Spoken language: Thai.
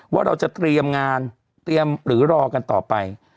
ว่าเราจะเตรียมงานเตรียมหรือรอกันต่อไป